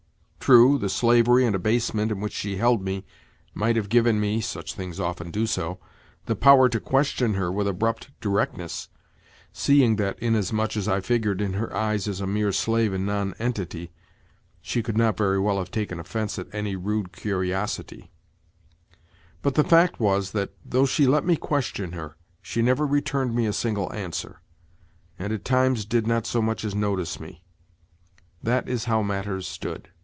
True, the slavery and abasement in which she held me might have given me (such things often do so) the power to question her with abrupt directness (seeing that, inasmuch as I figured in her eyes as a mere slave and nonentity, she could not very well have taken offence at any rude curiosity); but the fact was that, though she let me question her, she never returned me a single answer, and at times did not so much as notice me. That is how matters stood.